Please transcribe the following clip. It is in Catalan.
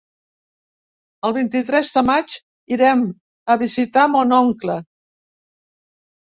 El vint-i-tres de maig irem a visitar mon oncle.